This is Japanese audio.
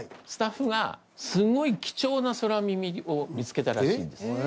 スタッフがすごい貴重な空耳を見つけたらしいんです。